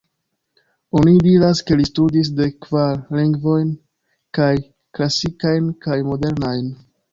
Oni diras ke li studis dek kvar lingvojn, kaj klasikajn kaj modernajn.